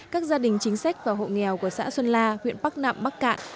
các gia đình chính sách và hộ nghèo của xã xuân la huyện bắc nạm bắc cạn